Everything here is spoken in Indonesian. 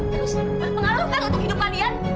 terus berpengaruh kan untuk kehidupan dia